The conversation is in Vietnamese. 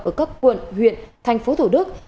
ở các quận huyện thành phố thủ đức